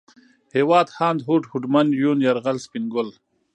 هېواد ، هاند ، هوډ ، هوډمن ، يون ، يرغل ، سپين ګل